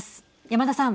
山田さん。